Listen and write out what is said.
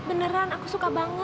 beneran aku suka banget